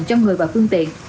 cho người và phương tiện